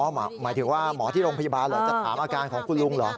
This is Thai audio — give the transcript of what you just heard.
หมายถึงว่าหมอที่โรงพยาบาลเหรอจะถามอาการของคุณลุงเหรอ